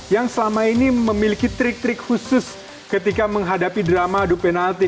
yang selama ini memiliki trik trik khusus ketika menghadapi drama adu penalti